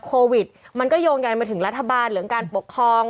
โควิดมันก็โยงใยมาถึงรัฐบาลเหลืองการปกครอง